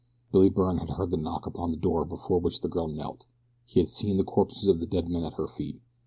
Billy Byrne had heard the knock upon the door before which the girl knelt. He had seen the corpses of the dead men at her feet.